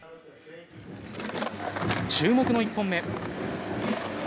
注目の１本目。